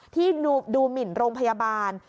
ที่ดูหมินโรงพยาบาล